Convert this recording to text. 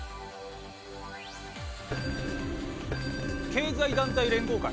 経済団体連合会。